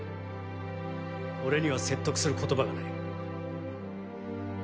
俺には説得する言葉がない。